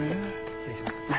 失礼します。